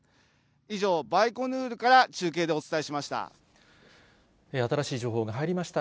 以上、バイコヌールから中継でお伝えしました。